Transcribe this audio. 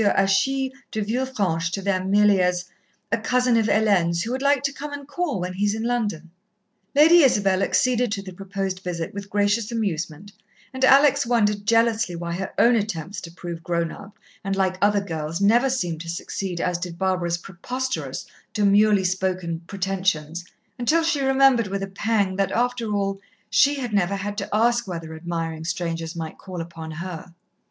Achille de Villefranche to them merely as "a cousin of Hélène's, who would like to come and call when he is in London." Lady Isabel acceded to the proposed visit with gracious amusement, and Alex wondered jealously why her own attempts to prove grown up and like other girls never seemed to succeed as did Barbara's preposterous, demurely spoken pretensions until she remembered with a pang that, after all, she had never had to ask whether admiring strangers might call upon her.